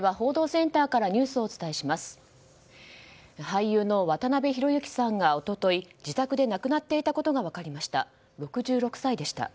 俳優の渡辺裕之さんが一昨日自宅で亡くなっていたことが分かりました。